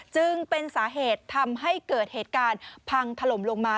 จึงเป็นสาเหตุทำให้เกิดเหตุการณ์พังถล่มลงมา